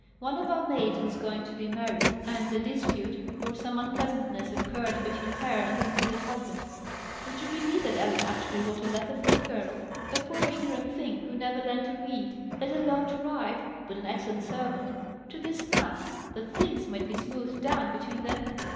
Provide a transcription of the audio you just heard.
One of our maids was going to be married, and a dispute, or some unpleasantness occurred between her and the intended husband. Would you believe that Ellen actually wrote a letter for the girl (a poor ignorant thing, who never learnt to read, let alone to write, but an excellent servant) to this man, that things might be smoothed down between them?